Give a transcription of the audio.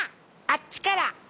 あっちから。